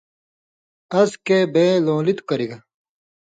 اس کہ بے لون٘لِتوۡ کرِگ،